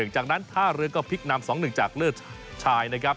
จากนั้นท่าเรือก็พลิกนำ๒๑จากเลิศชายนะครับ